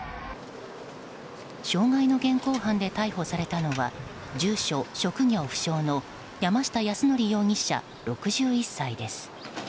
傷害の現行犯で逮捕されたのは住所・職業不詳の山下泰範容疑者、６１歳です。